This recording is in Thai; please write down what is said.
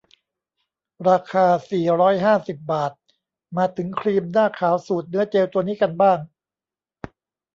ราคา สี่ร้อยห้าสิบ บาท มาถึงครีมหน้าขาวสูตรเนื้อเจลตัวนี้กันบ้าง